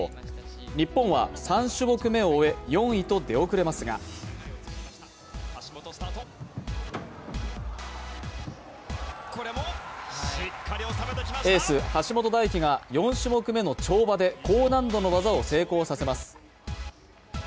日本は３種目目を終え４位と出遅れますがエース・橋本大輝が４種目めの跳馬で高難度の技を成功させます